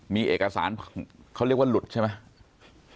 มีเอกสารเขาเรียกว่าหลุดใช่ไหม